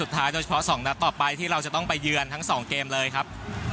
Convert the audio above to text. ในช่วงเวลาที่อายุเรายังน้อยขนาดนี้ครับ